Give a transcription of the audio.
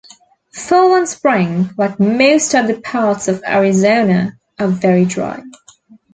Fall and spring, like most other parts of Arizona, are very dry.